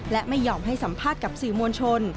และไม่ยอมให้สัมภาษณ์กับสื่อมวลชน